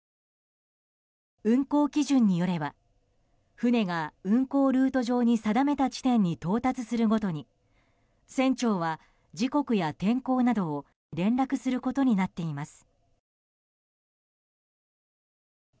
運航基準によれば、船が運航ルート上に定めた地点に到達するごとに船長は時刻や天候などを連絡することになっています。